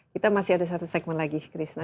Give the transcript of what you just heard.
kita masih ada satu segmen lagi krishna